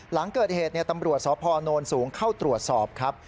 หลังเกิดเหตุตำรวจสพนสูงเข้าตรวจสอบครับ